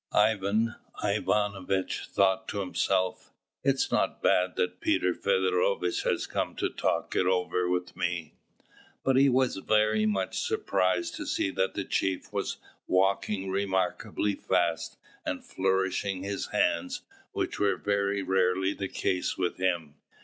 Ivan Ivanovitch thought to himself, "It's not bad that Peter Feodorovitch has come to talk it over with me." But he was very much surprised to see that the chief was walking remarkably fast and flourishing his hands, which was very rarely the case with him.